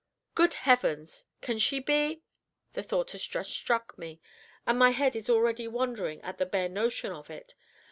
Good Heavens! can she be ? The thought has just struck me, and my head is already wandering at the bare notion of it!